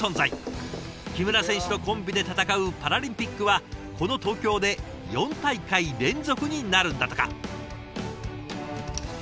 木村選手とコンビで戦うパラリンピックはこの東京で４大会連続になるんだとか。